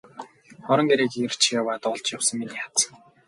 Орон гэрийг эрж яваад олж явсан миний аз.